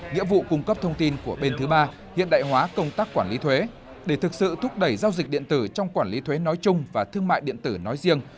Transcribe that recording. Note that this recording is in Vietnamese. nghĩa vụ cung cấp thông tin của bên thứ ba hiện đại hóa công tác quản lý thuế để thực sự thúc đẩy giao dịch điện tử trong quản lý thuế nói chung và thương mại điện tử nói riêng